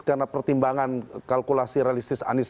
karena pertimbangan kalkulasi realistis anies